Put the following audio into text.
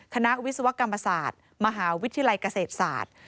คณะวิศวกรรมศาสตร์มหาวิทยาลัยเกษตรศาสตร์